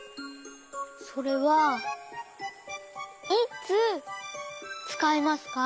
それはいつつかいますか？